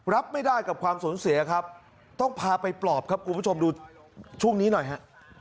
รับไม่ได้กับความสูญเสียครับต้องพาไปปลอบครับคุณผู้ชมดูช่วงนี้หน่อยฮะ